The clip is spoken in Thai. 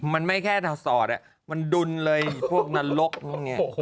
มันไม่แค่สอดมันดุลเลยพวกนรกพวกนี้